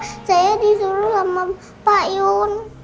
saya disuruh sama pak iyun